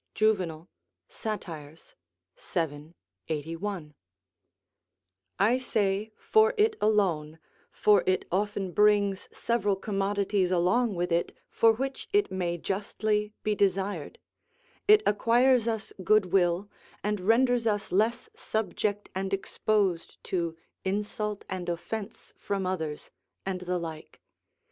Juvenal, Sat., vii. 81.] I say for it alone; for it often brings several commodities along with it, for which it may justly be desired: it acquires us good will, and renders us less subject and exposed to insult and offence from others, and the like.